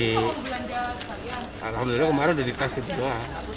alhamdulillah umar udah divaksin juga